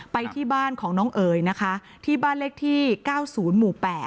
ไปที่บ้านของน้องเอ๋ยนะคะที่บ้านเลขที่๙๐หมู่๘